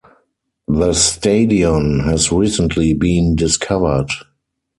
The stadion has recently been discovered.